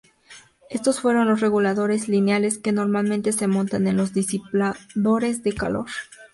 Estos fueron los reguladores lineales que normalmente se montan en los disipadores de calor.